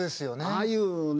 ああいうのね